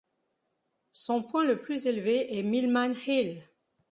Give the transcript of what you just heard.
Son point le plus élevé est Milman Hill.